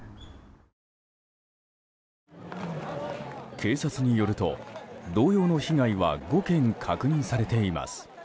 警察によると同様の被害は５件確認されています。